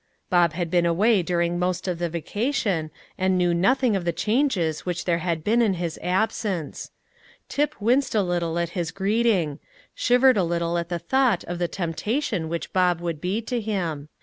Bob had been away during most of the vacation, and knew nothing of the changes which there had been in his absence. Tip winced a little at his greeting; shivered a little at the thought of the temptation which Bob would be to him.